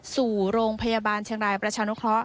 ส่งโรงพยาบาลเชียงรายประชานุเคราะห